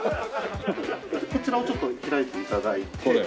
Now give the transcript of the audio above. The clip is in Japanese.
こちらをちょっと開いて頂いて。